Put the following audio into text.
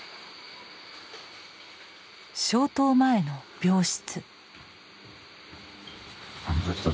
消灯前の病室。